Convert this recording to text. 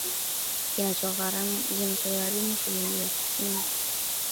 Kinachogharimu shilingi elfu kumi tu?